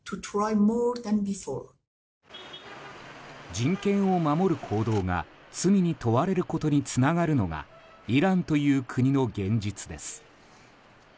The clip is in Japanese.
人権を守る行動が罪に問われることにつながるのがイランという国の現実です。